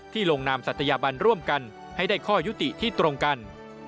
ลงนามศัตยาบันร่วมกันให้ได้ข้อยุติที่ตรงกัน